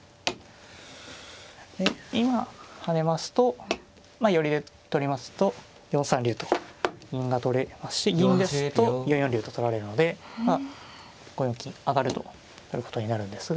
今跳ねますとまあ寄りで取りますと４三竜と銀が取れますし銀ですと４四竜と取られるので５四金上とやることになるんですが。